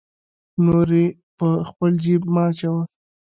نورې په خپل جیب مه اچوه.